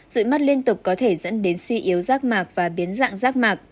rụi mắt liên tục có thể dẫn đến suy yếu sắc mạc và biến dạng sắc mạc